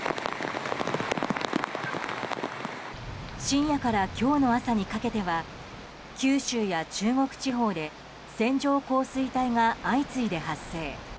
深夜から今日の朝にかけては九州や中国地方で線状降水帯が相次いで発生。